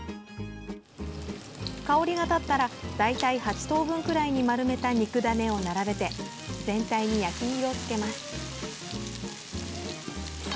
香りが立ったら大体８等分くらいに丸めた肉ダネを並べて全体に焼き色を付けます。